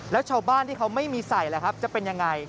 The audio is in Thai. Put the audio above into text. แล้วชาวบ้านที่เขาไม่มีใส่จะเป็นอย่างไร